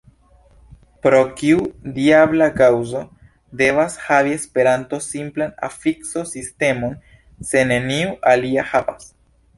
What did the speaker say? Pro kiu diabla kaŭzo devas havi Esperanto simplan afikso-sistemon, se neniu alia havas?